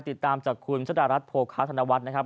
ติดตามจากคุณชะดารัฐโภคาธนวัฒน์นะครับ